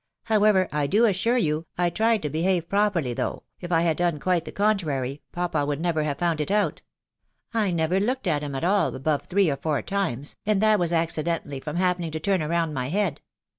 However, I do assure you, I tried to behave properly; though, if I had done quite the contrary, papa would never have found it out I never looked at him at all above three or four times, and that was accidentally from happening to turn round my head.